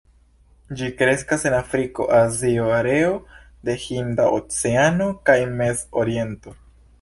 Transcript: Ĝi kreskas en Afriko, Azio, areo de Hinda Oceano kaj Mez-Oriento.